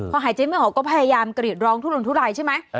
พอหายใจไม่ออกก็พยายามกรีดร้องทุรนทุรายใช่ไหม